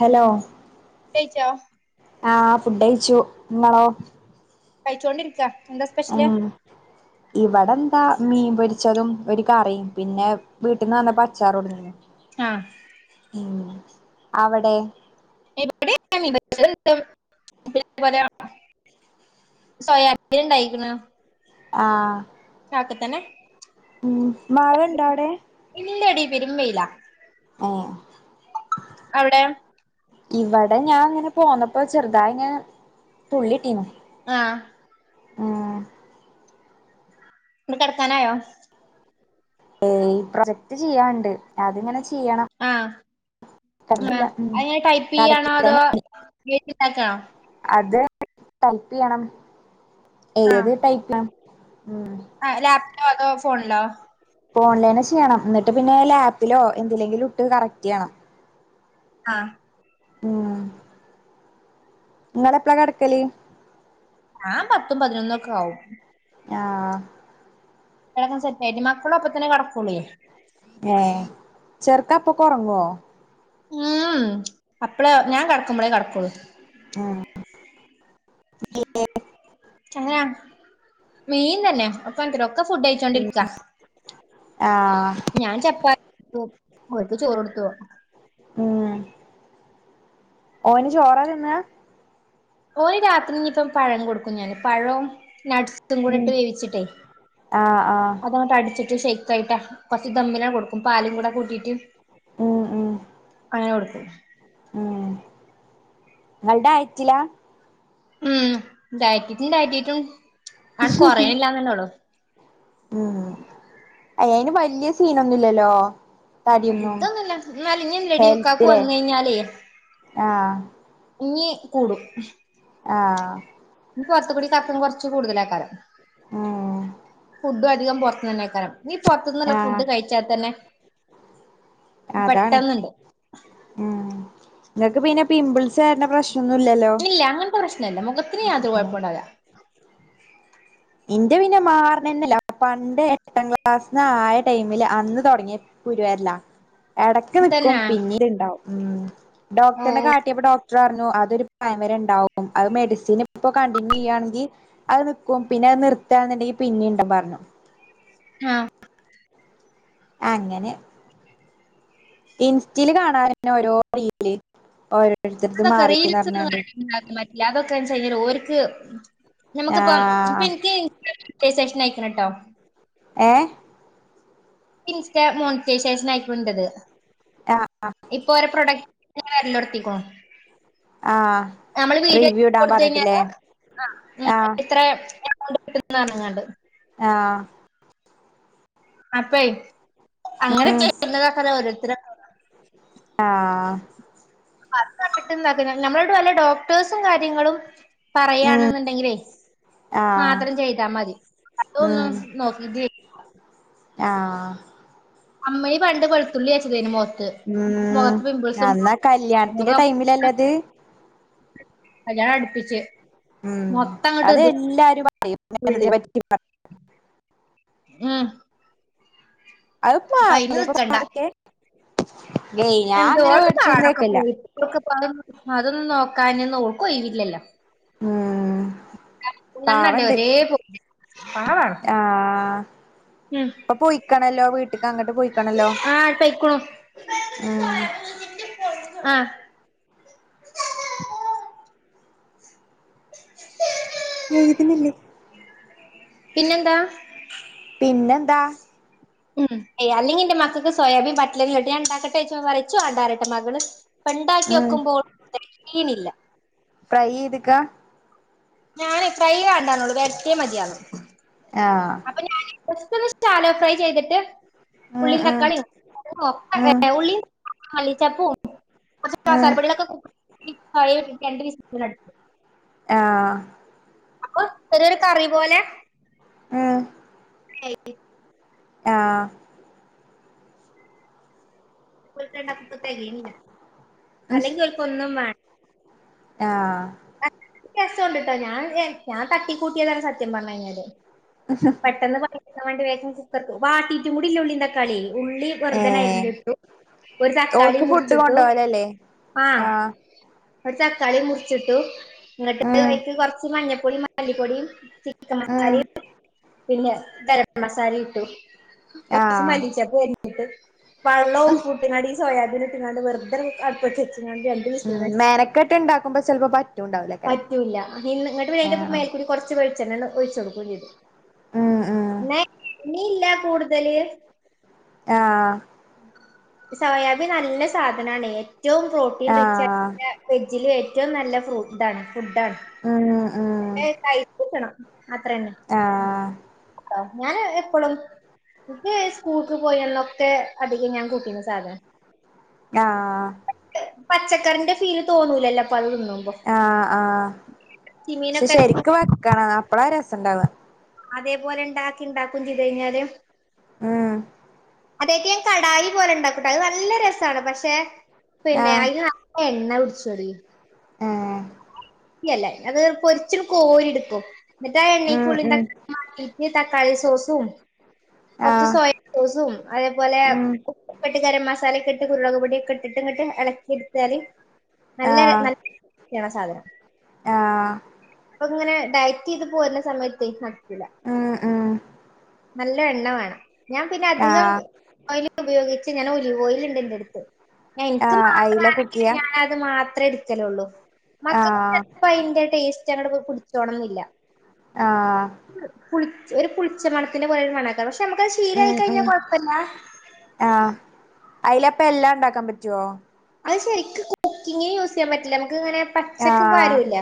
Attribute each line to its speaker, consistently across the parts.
Speaker 1: Hello
Speaker 2: കഴിച്ചോ
Speaker 1: ആഹ് ഫുഡ്ഴിച്ചു നിങ്ങാളോ
Speaker 2: കഴിച്ചോണ്ടിരിക്കാ
Speaker 1: ഉം ഇവിടെ എന്താ മീൻ പൊരിച്ചതും ഒരു കറിയും പിന്നെ വീട്ടിന്ന് വന്നപ്പോ അച്ചാറോട്ന്നീഞ്ഞു
Speaker 2: ആഹ്
Speaker 1: ഉം അവടെ
Speaker 2: ഇവിടെ മീൻപൊരിച്ചതും പിന്നെ അതുപോലെ സോയാബീൻ ണ്ടായിക്കുന്ന്
Speaker 1: ആഹ്
Speaker 2: ഒക്കെ തന്നെ
Speaker 1: ഉം മഴണ്ടൊ അടെ
Speaker 2: പേരും വെയിലാ അവിടെയോ
Speaker 1: ഇവടെ ഞാൻ ങ്ങനെ പോന്നപ്പോ ചെറുതായി ങ്ങനെ തുള്ളിട്ടീന്നു
Speaker 2: ആഹ്
Speaker 1: ആഹ്
Speaker 2: ട് കിടക്കാനായോ
Speaker 1: ഏ ഈ പ്രൊജക്ട് ചെയ്യാണ്ട് അതിങ്ങനെച്
Speaker 2: ആഹ് ആ
Speaker 1: ഉം
Speaker 2: അഹ്എ ടൈപ്പ് ചയ്യാണോ അതോ
Speaker 1: കടക്കിതന്നെ
Speaker 2: എയ്തിണ്ടാക്കാണോ
Speaker 1: ട്ടല്പ്പിയണം ഏഏത്ടൈപ്ള
Speaker 2: ആ ല അതോ ഫോണിലോ?
Speaker 1: ഓൺലൈനിൽ ചെയ്യണം എന്നിട്ട് പിന്നെ ലാപ്പിലോ എന്തിലെങ്കിലും ഇട്ട് കറക്റ്റ് ചെയ്യണം.
Speaker 2: ആഹ്
Speaker 1: ഉം നിങ്ങള് എപ്പളാ കിടക്കല്.
Speaker 2: [unintelligible] പത്തും പതിനൊന്നൊക്കെ ആവും
Speaker 1: ഞാ
Speaker 2: കെടക്കൻ സെറ്റായിട്ട് മക്കളും അപ്പ തന്നെ കെടക്കൊള്ളി
Speaker 1: ഏഹ് ചെറക്കപ്പൊകൊറങ്ങോ
Speaker 2: ആാാാഹ് അപ്പള് ഞാൻ കടക്കുമ്പ്ളെ കടക്കൊള്ള്
Speaker 1: ആഹ്
Speaker 2: അങ്ങന മീൻ തന്നെ ഒപ്പ [unintelligible] ഒക്കെ ഫുഡ് കയിച്ചോണ്ടിരിക്ക
Speaker 1: ആഹ്
Speaker 2: ഞാൻ ചപ്പാ [unintelligible] ഒര്ക്ക് ചോറ് കൊടുത്തു
Speaker 1: ഉം ഓന് ചോറാ തിന്നാ
Speaker 2: ഒല് രാത്രി ഇനിപ്പം പഴം കൊടു ക്കും ഞാന് പഴോ നട്ട്സും കൂടെ
Speaker 1: ഉം
Speaker 2: ഇട്ട് വേവിച്ചിട്ടേ
Speaker 1: ആഹ് ആഹ്
Speaker 2: അതട്ട് അടിച്ചിട്ട് ഷെക്ക് ആായിട്ടാ കൊറച്ച് ദമ്മിൽ കൊടുക്കും പാലും കൂടെ കൂട്ടിട്ട്
Speaker 1: ഉം ഉം
Speaker 2: അങ്ങനെ കൊടുക്കും
Speaker 1: നട ആയിറ്റില്ല
Speaker 2: ഉം തായിറ്റിട്ടുണ്ടായിറ്റിട്ടും ആൻ കൊറെ [unintelligible]
Speaker 1: ഉം അയ്യയിന് വല്യസീനൊന്നുല്ലല്ലോ
Speaker 2: ഇതൊന്നുല്ല ന്നലിഞ്ഞിറെടിക്കക്ക്
Speaker 1: ഹെൽത്തിലെ
Speaker 2: വന്നയിഞ്ഞാലേ
Speaker 1: ആഹ്
Speaker 2: ഉഞ്ഞികൂടും
Speaker 1: ആഹ്
Speaker 2: ഇനി പുറത്തുകൂടി ചക്കംകൊറച്ച് കൂടുതലാക്കാ
Speaker 1: ഉം
Speaker 2: [unintelligible] ഫുഡു ധികം പൊർ ത്ത്ന്നേക്കാരം ഇഞി പൊറത്ത്ന്നുള്ള ഫുഡ് കഴിച്ചാ തന്നെ
Speaker 1: അതാണെ
Speaker 2: പെട്ടെന്നുണ്ട്
Speaker 1: ഉം ഇങ്ങക്ക് പിന്നെ പിമ്പിൾസ് വര്ന പ്രശ്
Speaker 2: ഇല്ല അങ്ങൻത്തെ പ്രശ്നല്ല മുഖത്തിന് യാത്ര കുഴപ്പൂണ്ടാവൂല്ല.
Speaker 1: ഇന്റെ പിന്നെ മാറ്ണെന്നല്ല. പണ്ട് എട്ടാം ക്ലാസ് ന്ന് ആയ ടൈമില് അന്ന് തൊടങ്ങിയ കുരു വരലാ എടക്ക് നിക്കും
Speaker 2: തന്നാ
Speaker 1: പിന്നീ ണ്ടാവും ഊം
Speaker 2: ഓ
Speaker 1: ഡോക്ടറിനെ കാട്ടിയപ്പോ ഡോ ക്ട്രർഞ്ഞു അതൊരു പ്രായം വരെ ഇണ്ടാവും. അത് മെഡിസിന് ഇപ്പോ കണ്ടിന്യൂ ചെയ്യാണെങ്കി അത് നിക്കും. പിന്നെ അത് നിർത്താന്നുണ്ടെങ്കി പിന്നിം ണ്ടം പർഞ്ഞു.
Speaker 2: ആഹ്
Speaker 1: അങ്ങനെ ഇൻസ്റ്റീൽ കാണാന് ന്നെ ഓരോ റീല് ഓരോ
Speaker 2: അതൊക്കെ റീൽസ് ന്ന് [unintelligible] പറ്റ്ല. അതൊക്കെന്ന്ച്ചാ [unintelligible] ഓര് ക്ക് ഞമക്ക് ഇപ്പം
Speaker 1: ആഹ്
Speaker 2: ഇപ്പൻക്ക് [unintelligible] ഷനയ്ക്ക്ണ് ട്ടോ
Speaker 1: ഏഹ്
Speaker 2: ഇൻസ്റ്റ മോണിറ്റയ്സേഷനയ്ക്ക്ണു ഇന്റത്
Speaker 1: ആഹ്
Speaker 2: ഇപ്പൊ ഒരു പ്രൊഡക്റ്റ് [unintelligible] വരലൊട്ത്തിക്ക് ണു
Speaker 1: ആഹ്
Speaker 2: നമ്മള് വീഡിയോ
Speaker 1: റിവ്യൂ ഇടാൻ
Speaker 2: കൊടുത്തഴിഞ്ഞാല്
Speaker 1: പറഞ്ഞിട്ടില്ലേ
Speaker 2: ആ ഉം
Speaker 1: ആഹ്
Speaker 2: ഇത്ര എമൗണ്ട് ന്ന്‌ പറഞ്ഞ്ങ്ങാണ്ട്
Speaker 1: ആഹ്
Speaker 2: അപ്പൈ അങ്ങനെ
Speaker 1: ഉം
Speaker 2: ചെയ്യുന്നതാക്ക ഓരോരുത്തര്
Speaker 1: ആഹ്
Speaker 2: [unintelligible] ഡോക്ടേഴ്സും കാര്യങ്ങളും
Speaker 1: ഉം
Speaker 2: പറയാണെന്നുണ്ടെങ്കിലേ
Speaker 1: ആഹ്
Speaker 2: മാത്രം ചെയ്താ മതി അതൊന്നും
Speaker 1: ഉം
Speaker 2: നോക്കിട്ട്
Speaker 1: ആഹ്
Speaker 2: അമ്മീ പണ്ട് വെളുത്തുള്ളി അരച്ചതയ്നിം മൊഖ
Speaker 1: ഊം അന്നാ കല്യാണത്തിന്റെ ടൈമിലല്ലത്
Speaker 2: ആ ഞാൻ അടുപ്പിച്ച്
Speaker 1: ഉം
Speaker 2: മൊത്തം അങ്ങട്ട് ഇത്
Speaker 1: അതെല്ലാരും പറയും ഞാൻ
Speaker 2: ഉള്ളി
Speaker 1: ഇതിനെ പറ്റി പറ
Speaker 2: ഉം
Speaker 1: അത്
Speaker 2: അപ്പൊ അയിന്
Speaker 1: പാടല്ലേ അപ്പോ
Speaker 2: നിക്കണ്ട
Speaker 1: പാടക്കെ ഏയ് ഞാൻ അങ്ങനെ
Speaker 2: എന്തോരത്ത്
Speaker 1: പേടിച്ചൊന്നും
Speaker 2: പാടൊക്കെ
Speaker 1: നിക്കേല്ല
Speaker 2: പോയി ഇപ്പോഴൊക്കെ അതൊന്നും നോക്കാനൊന്നും ഓക്ക് [unintelligible] ല്ലോ
Speaker 1: ഉം
Speaker 2: മൂന്നെണ്ണല്ലേ
Speaker 1: പാവണ്ട്
Speaker 2: ഒരേ പോലെ പാവാണ്
Speaker 1: ആഹ്
Speaker 2: ഉം
Speaker 1: ഇപ്പോ പോയിക്കണല്ലോ വീട്ടക്ക് അങ്ങട്ട് പോയിക്കണല്ലോ
Speaker 2: ആഹ് പൊയ്ക്കുണു
Speaker 1: ആഹ്‌
Speaker 2: ആഹ്
Speaker 1: എഴുതുന്നില്ലേ
Speaker 2: പിന്നെന്താ
Speaker 1: ന്താ
Speaker 2: ഉം ഏയ് അല്ലെങ്കി എന്റെ മക്കക്ക് സോയാബീൻ ബട്ടല് ഇട്ട് ഞാ ഇണ്ടാക്കട്ടെ ഇച്ചോ പറയും ഇച്ച് വേണ്ടരട്ട് മകള് പ്പ്ണ്ടാക്കി
Speaker 1: ഉം
Speaker 2: വെക്കുമ്പോൾ [unintelligible] ണില്ലാ
Speaker 1: ഫ്രൈ ചെത്ക്കാ
Speaker 2: ഞാന് ഫ്രൈ കണ്ടന്നള്ളു വെരട്ടിയാ മതിയാകും
Speaker 1: ആഹ്
Speaker 2: ജസ്റ്റ്‌ ഒന്ന് ഷലോ ഫ്രൈ ചെയ്തിട്ട്
Speaker 1: ഉം
Speaker 2: ഉള്ളീം
Speaker 1: ഉം
Speaker 2: തക്കാളീം
Speaker 1: ഉം
Speaker 2: [unintelligible] ഉള്ളി മല്ലിച്ചപ്പും
Speaker 1: ഉം
Speaker 2: [unintelligible] [unintelligible]
Speaker 1: ആഹ്
Speaker 2: അപ്പൊ ചെറിയരു കറി പോലെ
Speaker 1: ഏഹ്
Speaker 2: [unintelligible]
Speaker 1: ആഹ്
Speaker 2: കൊൾക്കണ്ടാക്കത്തെകയണില്ലാ
Speaker 1: ഉം
Speaker 2: അല്ലെങ്കി ഓൽക്കൊന്നും വേ
Speaker 1: ആഹ്
Speaker 2: ഏ രസോണ്ട്ട്ടോ ഞാൻ ഏ ഞാൻ തട്ടിക്കൂട്ടിയതാണ് സത്യം പറഞ്ഞയിഞ്ഞാല് പെട്ടെന്ന് പറ എന്താവാണ്ടി വേഗം കുക്കർക്ക് വാട്ടീട്ട് കൂടില്ലഉള്ളള്ളിന്താകളിയെയ് ഉള്ളി
Speaker 1: ഏഹ്
Speaker 2: വെറുതനരിഞ്ഞിട്ടു ഒരു തക്കാളി
Speaker 1: ഓൾക്ക് ഫുഡ്
Speaker 2: മുറിച്ചിട്ടു
Speaker 1: കൊണ്ടോവലല്ലേ
Speaker 2: ആഹ് ഒരുച്ചക്കാളി മുർച്ചി ട്ടു ഇങ്ങട്ട്
Speaker 1: ഉം
Speaker 2: അയ്ക്ക് കൊർച്ച് മഞ്ഞപ്പൊ പൊടി മല്ലിപ്പൊടീം ചി ക്കൻ
Speaker 1: ഉം
Speaker 2: മസാലീം പിന്നെ ഗരം മസാലിട്ടു കൊറച്ച്
Speaker 1: ആഹ്
Speaker 2: മല്ലിച്ചപ്പ് [unintelligible]
Speaker 1: ഉം
Speaker 2: [unintelligible] [unintelligible]
Speaker 1: മ്
Speaker 2: വിസിലടിച്ചു
Speaker 1: മെനക്കെട്ട് ഇണ്ടാക്കുമ്പോ ചെലപ്പോ പറ്റ്
Speaker 2: പറ്റൂല്ല നി നിങ്ങട്ട്
Speaker 1: ആഹ്
Speaker 2: [unintelligible] കൊറച്ച് വെളിച്ചെണ് [unintelligible]
Speaker 1: മ് മ്
Speaker 2: ഇനി ഇല്ല കൂടുതല്.
Speaker 1: ആഹ്
Speaker 2: സോയാബി നല്ല സാധനാണ്. ഏറ്റവും പ്രോട്ടീൻ റിച്ച് [unintelligible]
Speaker 1: ആഹ്
Speaker 2: ഫ്രീജില് വെ ഏറ്റവും നല്ല ഫ്രൂട്ടാണ്. ഫുഡാണ്
Speaker 1: ഉം ഉം
Speaker 2: ഇന്നട്ട് അയ് കൈ പുട്ച്ചണ് അത്രയെന്നെ
Speaker 1: ആഹ്
Speaker 2: ഞാന് എപ്പളും ഇൻക്ക് സ്കൂൾക്ക് പോയ അന്നൊക്കെ അധികം ഞാൻ കൂട്ടിന്ന സാധനം
Speaker 1: ആ
Speaker 2: പച്ചക്കറിന്റെ ഫീല് തോന്നൂലല്ലോ അ
Speaker 1: ആ ആ ക്ഷെ
Speaker 2: ചിമീനൊക്കെ
Speaker 1: ശരിക്ക് വെക്കണം അപ്പളാ രസം ഇണ്ടാവാ
Speaker 2: അതേപോലെ ഇണ്ടാക്കി ഇണ്ടാക്കും ചെയ്ത് കഴിഞ്ഞാല്
Speaker 1: ആ
Speaker 2: അതെയ്ക്ക് ഞാൻ കടായി പോലെ ഇണ്ടാക്കൂട്ടോ അത് നല്ല രസാണ് പക്ഷെ പിന്നെ അയിന് നല്ല എണ്ണ പി ചെറി
Speaker 1: ഏ
Speaker 2: ഇയ്യ ഇല്ല അത്‌ പൊര്ച്ച്ങ്ങട്ട്‌ കോരി ഇട്ക്കും ഇന്നട്ടാ
Speaker 1: ഉം
Speaker 2: എണ്ണീക്ക് ഉള്ളിം
Speaker 1: ഉം
Speaker 2: തക്ക ഉള്ളിക്ക് തക്കളി സോസും കൊർച്ച്
Speaker 1: ആഹ്
Speaker 2: സോയ സോസും അതേ പോലെ
Speaker 1: ഉം
Speaker 2: ട്ട ഉപ്പിട്ട് ഗരമസാ സാലെ ഒക്കെ ഇട്ട് കുരുമൊളക് പൊടിയൊക്കെ ഇട്ടിട്ട് ഇങ്ങട്ട് എളക്കി ഇട്ത്താല് നല്ല
Speaker 1: ആഹ്
Speaker 2: നല്ല [inaudible] ആ സാധനം
Speaker 1: ആഹ്
Speaker 2: ഇപ്പ ഇങ്ങനെ ഡയറ്റ് ചെയ്ത് പോര്ണ സമയത്ത് ഈ സാ
Speaker 1: ഉം ഉം
Speaker 2: നല്ല എണ്ണ വേണം ഞാൻ പിന്നെ അധികം
Speaker 1: ആഹ്
Speaker 2: ഒയൽ ഒക്കെ ഉപയോഗിച്ച് [unintelligible] ഞാൻ ഒലീവോയിൽ ഇണ്ട് ഇന്റെ എട്ത്ത് ഞാ ഇൻക്ക്
Speaker 1: ആഹ്
Speaker 2: മാത്ര
Speaker 1: അയില
Speaker 2: ആണെങ്കിൽ
Speaker 1: കുക്കിയാ
Speaker 2: ഞാനത് മാ ത്രെ ഇട്ക്കലൊള്ളു മക്കകൊക്കെ
Speaker 1: ആഹ്
Speaker 2: ചെൽപ്പം അയിന്റെ ടെസ് ച്ച് അങ്ങട്ട്പ്പം പുട്ച്ചോണംന്നില്ല
Speaker 1: ആ
Speaker 2: പുളിച്ച ഒര്. പുളിച്ച മണത്തിന്റെ പോലെരു മണെയ്ക്കാരം പ
Speaker 1: ഉം ഉം ആ അയിലപ്പ എല്ലാ ഇണ്ടാക്കാൻ പറ്റോ
Speaker 2: അയ് ശരിക്ക് കുക്കിങ്ങിന് യൂസ് ചെയ്യാൻ പറ്റില്ല ക്ക് ഇങ്ങനെ പച്ചക്ക്
Speaker 1: ആഹ്
Speaker 2: പാരുലെ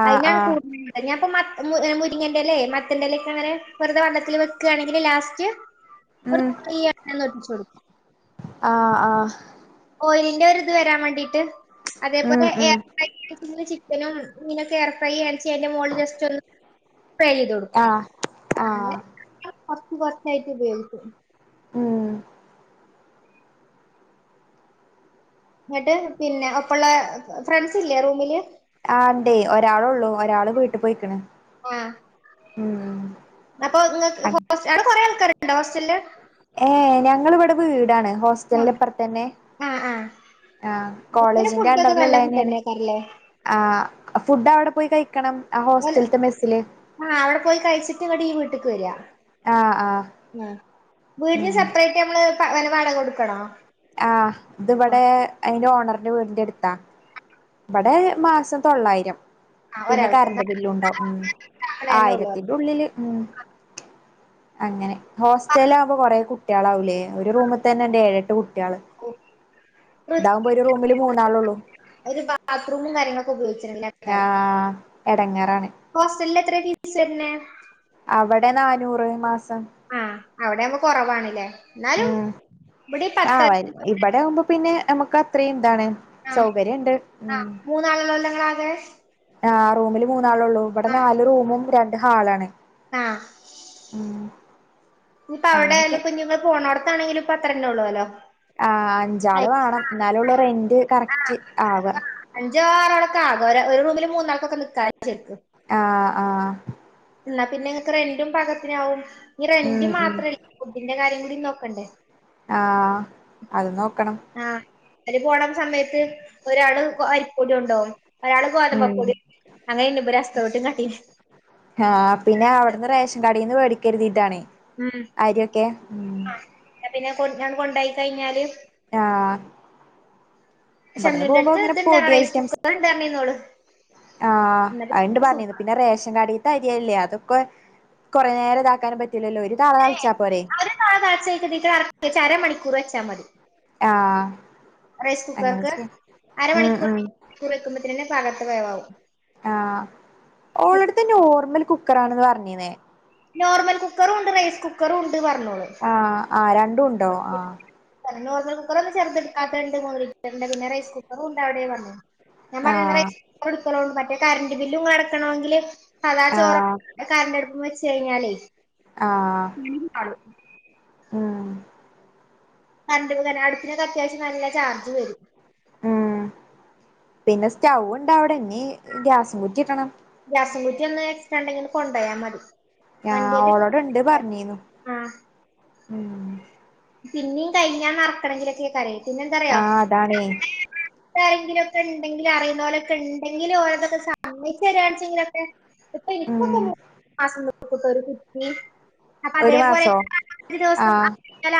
Speaker 1: ആഹ്
Speaker 2: അയിനാണ്
Speaker 1: ആഹ്
Speaker 2: കൂട്തൽ ഞാ ഇപ്പ മക്ക മു മുരിങ്ങെന്റെലെ മത്തെന്റെലെ ഒക്കെ അങ്ങനെ വെർതെ വള്ളത്തിൽ വെക്കാണെങ്കിൽ ലാസ്റ്റ് ഒര്
Speaker 1: ഉം
Speaker 2: തുള്ളി എണ്ണഒന്ന് ഒഴിച്ച് കൊട്ക്കും
Speaker 1: ആഹ് ആഹ്
Speaker 2: ഓയിലിൻ്റെ ഒര് ഇത് വരാൻ വാണ്ടിട്ട്
Speaker 1: ഉം
Speaker 2: അതേപോലെ
Speaker 1: ഉം
Speaker 2: [unintelligible] ഇതിനും ഇനൊക്കെ [unintelligible] ച്ചെ അയ്ന്റെ മോള്ല് ജസ്‌റ്റൊന്ന്
Speaker 1: ആഹ് ആഹ്
Speaker 2: [inaudible] [unintelligible]
Speaker 1: ഉം
Speaker 2: ന്ന്ട്ട് പിന്നെ ഒപ്പള്ളെ ഫ്രണ്ട്സ് ല്ലേ റൂമില്
Speaker 1: ആ ണ്ടേ ഒരാളൊള്ളു ഒരാള് വീട്ട് പോയ്ക്ക്ണ്
Speaker 2: ആ
Speaker 1: ഉം
Speaker 2: അപ്പൊ ങ്ങക്ക് [unintelligible] അവടെ കൊറെ ആൾക്കാരൊക്കെണ്ടോ ഹോസ്റ്റലില്
Speaker 1: ഏഹ് ഞങ്ങളിവിടെ വീടാണ്
Speaker 2: ആ
Speaker 1: ഹോസ്റ്റലിന്പ്പർത്തെന്നെ
Speaker 2: ആ ആ
Speaker 1: ആ
Speaker 2: അപ്പൊ ഇങ്ങനെ
Speaker 1: കോളേജിന്റെ
Speaker 2: ഫുഡൊക്കെ നല്ല
Speaker 1: അണ്ടർല്ള്ളതെന്നേണ്
Speaker 2: ഫുഡല്ലേ കറിലേ
Speaker 1: ആ ഫുഡ് അവടെ പോയി കയ്
Speaker 2: [unintelligible] ആ അവടെ പോയി കയ്ച്ച്ട്ട് ഇവടെ ഈ വീ ട്ട്ക്ക് വെര
Speaker 1: ആഹ് ആഹ്
Speaker 2: ആ വീടിന്
Speaker 1: ഉം
Speaker 2: സെപ്പറേറ്റ് നമ്മള് വാടകക്കൊടുക്കണോ
Speaker 1: ആ ഇത് വടെ അയ്ന്റെ ഓ ണറിന്റെ വീടിൻറെ അടുത്താ ഇവടെ മാസം തൊള്ളായിരം.
Speaker 2: ആ,
Speaker 1: പിന്നെ
Speaker 2: ഒരാൾക്ക്
Speaker 1: കറണ്ട്
Speaker 2: ന-
Speaker 1: ബില്ലും ഉണ്ടാവും ഉം
Speaker 2: ഉണ്ടാക്കണേന്നെ ഉള്ളൂ
Speaker 1: ആയിരത്തിന്റെ ഉള്ളില് ഉം അങ്ങനെ ഹോസ്റ്റലാവുമ്പോ കൊറേ കുട്ടികളാവൂലേ ഒരു റൂമി തന്നെണ്ട് ഏഴെട്ട് കുട്ടി കള് ഇതാവുമ്പോ ഒരു റൂമില് മൂന്നാളുള്ളൂ.
Speaker 2: ഒരു ബാത്റൂമും കാര്യങ്ങളൊക്കെ ഉപയോഗി
Speaker 1: ആഹ് എടങ്ങ റാണ്.
Speaker 2: ല് എത്രയാ ഫീസ് വരണേ?
Speaker 1: അവടെ നാനൂറ് മാസ് സം
Speaker 2: അവടെയാവുമ്പോ കൊറവാണ് ല്ലേ
Speaker 1: ഉം ആഹ് വെരി ഇവടെ ആവുമ്പ പിന്നെ നമ്മക്ക് അത്രയും ഇതാണ്
Speaker 2: ആഹ്
Speaker 1: സൗകര്യം ഇണ്ട് ഉം
Speaker 2: ആഹ് [unintelligible]
Speaker 1: ആഹ് റൂമില് മൂ ന്നാളൊള്ളൂ ഇവട
Speaker 2: ആഹ്
Speaker 1: നാല് റൂമും രൺ ണ്ട് ഹാളാണ്. ഉം
Speaker 2: ഇഞ്പ്പ അവടെ
Speaker 1: അങ്ങനെയൊക്കെ
Speaker 2: ആയാലും ഇഞ് ഇപ്പ ങ്ങൾ പോണോട്ത്താണെങ്കിലും ഇപ്പത്ര അത്ര ന്നൊള്ളോ ലോ.
Speaker 1: ആഹ് അഞ്ചാള് വേണം എന്നാലൊള്ളു
Speaker 2: ആയി
Speaker 1: റെന്റ്
Speaker 2: ആഹ്
Speaker 1: കറക്റ്റ് ആവാ
Speaker 2: അഞ്ചോ ആറോ ളക്ക ആകാ ഒര് ഒരു റൂമില് മൂന്നാൾക്കൊക്കെ നിക്കാലോ ചെര്ക്ക്.
Speaker 1: ആഹ് ആഹ്
Speaker 2: എന്നാ പിന്നെ ഇങ്ങക്ക് റെൻ്റും പാകത്തിനാവും. ഇഞ് റെന്റ്
Speaker 1: ഉം ഉം
Speaker 2: മാത്രല്ല ഫുഡിന്റെ കാര്യങ്ങളും [unintelligible] നോക്കണ്ടേ.
Speaker 1: ആഹ് അത് നോക്
Speaker 2: ആഹ് അയ്ന് പോണം സമയത്ത് ഒരാള് കൊ അരിപ്പൊടി കൊണ്ടോവും ഒരാള്
Speaker 1: ഉം
Speaker 2: ഗോതമ്പപ്പൊടി അങ്ങനെണ്ട് ഇബര് ഹസ്കൗട്ടും കട്ടീം
Speaker 1: ആഹ് പിന്നെ അവട്ന്ന് റേഷൻ കടീന്ന് വേടി ക്കര്തീട്ടാണെ. അര്യൊക്കെ
Speaker 2: ഏഹ് പിന്നെ കൊൺ ഞാൻ കൊണ്ടായി കഴിഞ്ഞാല്
Speaker 1: ആഹ് ഇവടന്ന്
Speaker 2: ഷംനുന്റെ
Speaker 1: പോവുമ്പോ
Speaker 2: അടുത്ത്
Speaker 1: അങ്ങനെ
Speaker 2: ഇതുണ്ടാണ്
Speaker 1: പൊടി
Speaker 2: റൈസ്
Speaker 1: ഐറ്റംസ്
Speaker 2: കുക്കർ ഉണ്ടായിരുന്നോള്
Speaker 1: ആഹ് അയണ്ട്
Speaker 2: എന്നിട്ട്
Speaker 1: പറഞ്ഞേന്ന്
Speaker 2: സൂപ്പർ
Speaker 1: പിന്നെ റേഷൻ കാഡീ ത്തെ അരിയല്ലേ അതൊക്കോ കൊറേ നേരം ഇതാക്കാനും പറ്റ്
Speaker 2: പിന്നേ [unintelligible] അരമണിക്കൂറ് വെച്ച ച്ചാ മതി
Speaker 1: ആഹ്
Speaker 2: റൈസ്
Speaker 1: അങ്ങനെ
Speaker 2: കുക്കർക്ക്
Speaker 1: ചെയ്യാം ഉം ഉം
Speaker 2: അരമണിക്കൂർണിക്കൂർ വെക്കുമ്പ ത്തിനന്നെ പാകത്ത് വേവാവും
Speaker 1: ആഹ് ഓളടുത്തന്നെ ഓർമ്മല് കു ക്കറാണെന്ന് പറഞ്ഞീന്നേ
Speaker 2: നോർമൽ കുക്കറുണ്ട് റൈസ് കുക്കറു
Speaker 1: ആഹ് ആഹ് രണ്ടും ഉ ണ്ടോ ആഹ്.
Speaker 2: ന്നെ നോർ കുക്കറ ഒന്നും ചെർത എടുക്കാത്തണ്ട് മുറി പിന്നെ റൈസ് കുക്കറും ഉണ്ട് അവിടെ പറഞ്ഞു ഞാൻ
Speaker 1: ആഹ്
Speaker 2: [unintelligible] കറന്റ് ബില്ലുംങ്ങടക്കണോങ്കില് സദാ ചോറ
Speaker 1: ആഹ്
Speaker 2: കറണ്ടെടുപ്പും വെ ച്ച് കഴിഞ്ഞാലേ
Speaker 1: ആഹ്
Speaker 2: ഉം [unintelligible]
Speaker 1: ഉം
Speaker 2: കറണ്ട [unintelligible] അടുപ്പിനൊക്കെ അത്യാവശ്യം നല്ല ചാർജ് വരും
Speaker 1: ഉം പിന്നെ സ്റ്റൗ ഉണ്ട അവിടെന്നീ ഗ്യാസും കുറ്റി ഇടണം
Speaker 2: കസൻകുറ്റി ഒന്ന് എക്സ്റ്റ ണ്ടെങ്കി ഒന്ന് കൊണ്ടയാമതി
Speaker 1: ഞാ ഓളോടെ ഇണ്ട് പറഞ്ഞീനു
Speaker 2: ആ
Speaker 1: ഉം
Speaker 2: പിന്നെയും കഴഞ്ഞാൻറക്കണമെങ്കിലൊക്കെയ കരയ
Speaker 1: ആഹ് അതാണേ.
Speaker 2: [unintelligible] ആരെങ്കിലൊക്കെ ഉണ്ടെങ്കിലും അറിയുന്നോരൊക്കെണ്ടെങ്കിലോരെതൊക്കെ സമ്മയ്ചേരാണെചേലൊക്കെ ഇപ്പോ
Speaker 1: ഉം
Speaker 2: ഇപ്പൊക്കൊ [unintelligible] ഒരു പരക്ക്ച്ചി അപ്പൊ
Speaker 1: ഒരു
Speaker 2: അതേപോലെ
Speaker 1: മാസോ
Speaker 2: [unintelligible] ദിവസം
Speaker 1: ആഹ്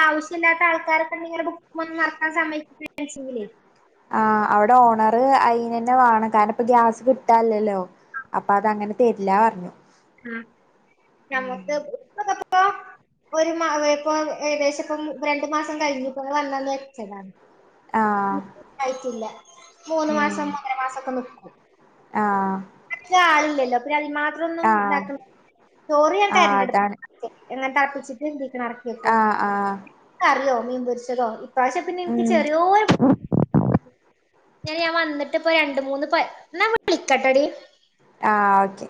Speaker 2: ആവശ്യമില്ലാത്ത ആൾക്കാർക്ക ഇനെ ബുക്കന്ന് വറത്താൻ സ [unintelligible]
Speaker 1: ആഹ് അവിടെ ഓണറ് അയിനന്നെ വേണം. കാരണം ഇപ്പ ഗ്യാസ് കിട്ടല്ലല്ലോ അപ്പൊ അത അങ്ങനെ തരില്ലറഞ്ഞു.
Speaker 2: [unintelligible] ഇപ്പ ഒരു മാ ഇപ്പൊ ഏകദേശം ഇപ്പം രണ്ട മാസം കഴിഞ്ഞപ്പോെ വന്നന്ന് വെച്ചതാ
Speaker 1: ആഹ്
Speaker 2: [unintelligible] ആയിട്ടല്ല മൂന്ന്
Speaker 1: ഉം
Speaker 2: മാസം ഒന്നര മാസം ഒക്കെ നിക്കും. [inaudible]
Speaker 1: ആഹ്
Speaker 2: അധികം ആളില്ലല്ലോ [unintelligible]
Speaker 1: ആഹ് ആഹ് അതാണ്
Speaker 2: [unintelligible]
Speaker 1: ആഹ്
Speaker 2: [unintelligible]
Speaker 1: ആഹ്
Speaker 2: ക്ക അറിയോ മീൻ പൊരിച്ചതോ ഇ താശെ പിന്നെ എനിക്ക്
Speaker 1: ഉം
Speaker 2: ചെറിയോ [unintelligible] ഞാ ഞാൻ വന്നിട്ട് ഇപ്പ രണ്ട് മൂന്ന് പ എന്നാ വിളിക്കട്ടടി
Speaker 1: ആഹ് ഓക്കെ